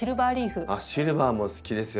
シルバーも好きですよ